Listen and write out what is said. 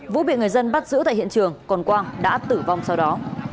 vũ bị người dân bắt giữ tại hiện trường còn quang đã tử vong sau đó